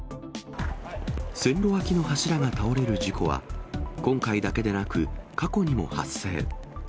線路脇の柱が倒れる事故は、今回だけでなく、過去にも発生。